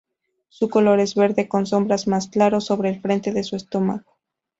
Su color es verde con sombras, más claro sobre el frente de su estómago.